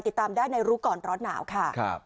ติดตามได้ในรู้ก่อนร้อนหนาวค่ะ